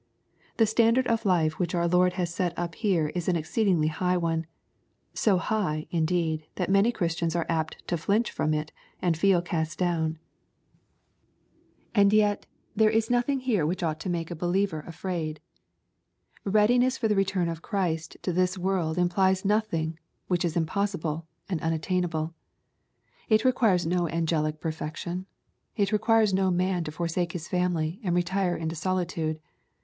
The standard of life which our Lord has set up here is an exceedingly high one, — so high, indeed, that many Christians are apt to flinch from it, and feel cast down, And yet there is nothing here which ought to make a h^ LUKE, CHAP. XII. 87 liover afraid. JBeadiness for the return of Christ to this world implies notbiog which is impossible and unattain able. It requires no angelic perfection. It requires no man to foisake his family, and retire into solitude.